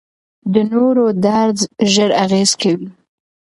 د نورو درد ژر اغېز کوي.